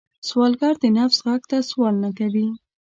سوالګر د نفس غږ ته سوال نه کوي